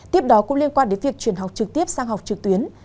tiếp đó cũng liên quan đến việc chuyển học trực tiếp sang học trực tuyến